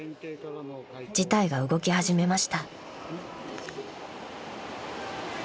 ［事態が動き始めました］